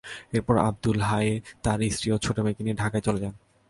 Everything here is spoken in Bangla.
এরপর আবদুল হাই তাঁর স্ত্রী এবং ছোট মেয়েকে নিয়ে ঢাকায় চলে যান।